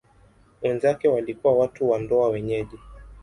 Wenzake walikuwa watu wa ndoa wenyeji.